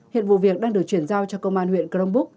hiện vụ việc đang được chuyển giao cho công an huyện cronbrook